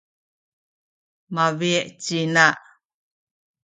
mabi’ ci ina.